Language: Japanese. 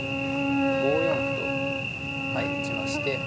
５四歩と打ちまして。